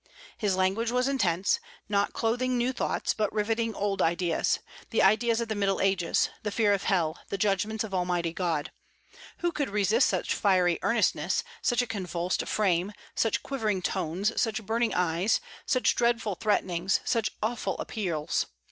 His language was intense, not clothing new thoughts, but riveting old ideas, the ideas of the Middle Ages; the fear of hell, the judgments of Almighty God. Who could resist such fiery earnestness, such a convulsed frame, such quivering tones, such burning eyes, such dreadful threatenings, such awful appeals?